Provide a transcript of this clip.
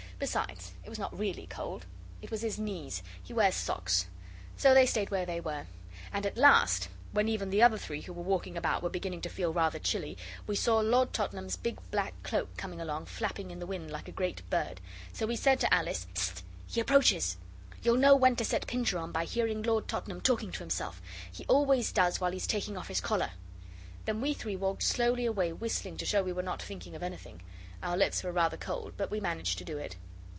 Besides, it was not really cold. It was his knees he wears socks. So they stayed where they were. And at last, when even the other three who were walking about were beginning to feel rather chilly, we saw Lord Tottenham's big black cloak coming along, flapping in the wind like a great bird. So we said to Alice 'Hist! he approaches. You'll know when to set Pincher on by hearing Lord Tottenham talking to himself he always does while he is taking off his collar.' Then we three walked slowly away whistling to show we were not thinking of anything. Our lips were rather cold, but we managed to do it.